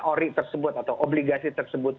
ori tersebut atau obligasi tersebut